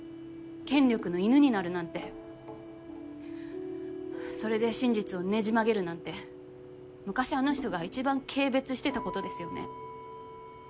権力の犬になるなんてそれで真実をねじ曲げるなんて昔あの人が一番軽蔑してたことですよね。